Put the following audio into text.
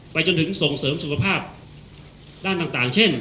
จนถึงส่งเสริมสุขภาพด้านต่างเช่น